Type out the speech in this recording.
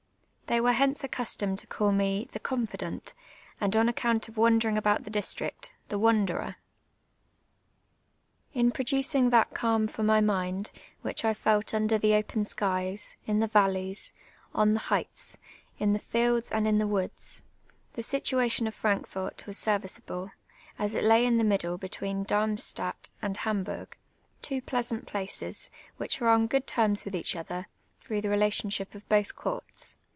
They were hence accustomed to call me the ''confidant," and on account of wandering about the district, the "wanderer." In pro ducing that calm for my mind, which I felt under the open sky, in the valleys, on the heights, in the fields and in the woods, the situation of Fraidvfort was serviceable, as it lay in the middle between Darmstadt and Hamburg, two pleasant ])laces, which are on good tenns with each other, through the relationshi]) of both courts.